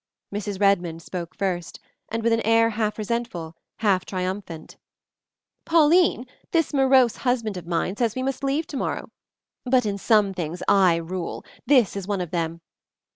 Mrs. Redmond spoke first, and with an air half resentful, half triumphant: "Pauline, this morose husband of mine says we must leave tomorrow. But in some things I rule; this is one of them.